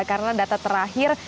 karena data terakhir